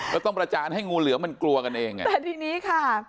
ต้องประจานให้งูเหลือมันกลัวกันเองไงแต่ทีนี้ค่ะ